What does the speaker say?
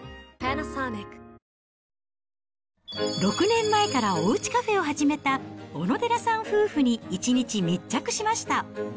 ６年前からおうちカフェを始めた小野寺さん夫婦に、一日密着しました。